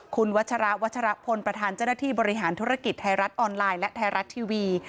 คุณวัชระวัชรพลประธานเจ้าหน้าที่บริหารธุรกิจไทยรัฐออนไลน์และไทยรัฐทีวี